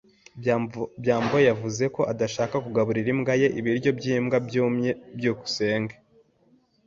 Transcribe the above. byambo yavuze ko adashaka kugaburira imbwa ye ibiryo byimbwa byumye. byukusenge